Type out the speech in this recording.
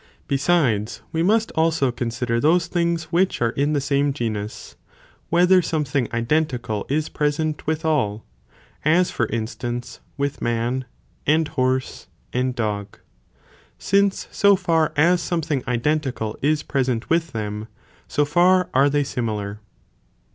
Besides, we must also con sider those things which are in the same genus, whether some thing identical is present with all, as for instance, with man, and horse, and dog; since so far as something identical is pre sent with them, so far are they similar.